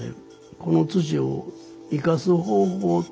この土を生かす方法